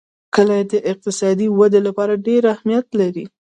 کلي د اقتصادي ودې لپاره ډېر ارزښت لري.